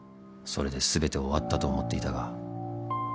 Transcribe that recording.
［それで全て終わったと思っていたが］